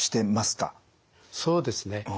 そうですね。